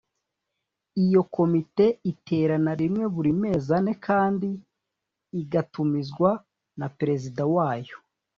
Iyo Komite iterana rimwe buri mezi ane kandi igatumizwa na Perezida wayo.